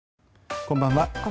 こんばんは。